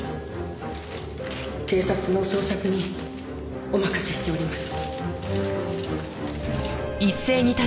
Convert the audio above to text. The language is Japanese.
警察の捜索にお任せしております。